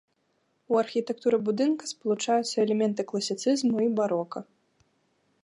У архітэктуры будынка спалучаюцца элементы класіцызму і барока.